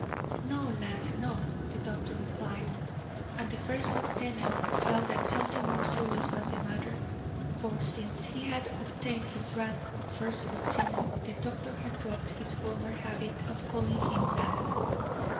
"No, lad, no," the doctor replied, and the first lieutenant felt that something more serious was the matter, for since he had obtained his rank of first lieutenant the doctor had dropped his former habit of calling him lad.